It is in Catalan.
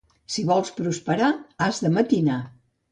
Si vols prosperar, has de matinar.